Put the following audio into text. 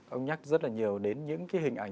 ông nhắc rất là nhiều đến những cái hình ảnh